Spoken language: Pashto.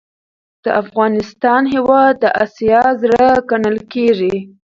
دافغانستان هیواد د اسیا زړه ګڼل کیږي.